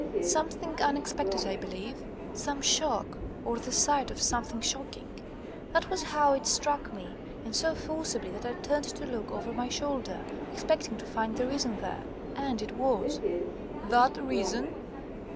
"Something unexpected, I believe, some shock, or the sight of something shocking. That was how it struck me, and so forcibly that I turned to look over my shoulder, expecting to find the reason there. And it was." "That reason